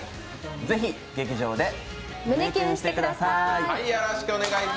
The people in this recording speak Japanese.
ぜひ劇場で胸キュンしてください。